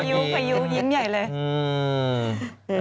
พายุยิ้มใหญ่เลย